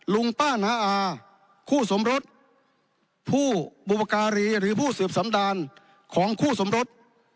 ลุงป้าน้าอาคู่สมรสผู้บุปการีหรือผู้สืบสำดานของคู่สมรส